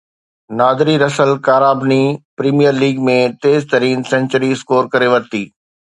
نادري Russell ڪارابني premier league ۾ تيز ترين سينچري اسڪور ڪري ورتي